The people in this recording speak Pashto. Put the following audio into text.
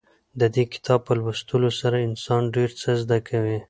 د دې کتاب په لوستلو سره انسان ډېر څه زده کوي.